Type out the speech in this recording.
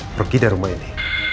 pergi dari rumah ini